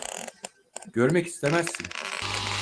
Görmek istemezsin.